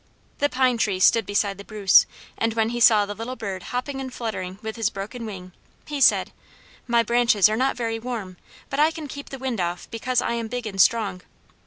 The pine tree stood beside the spruce, and when he saw the little bird hopping and fluttering with his broken wing, he said, "My branches are not very warm, but I can keep the wind off because I am big and strong."